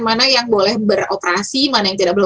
mana yang boleh beroperasi mana yang tidak boleh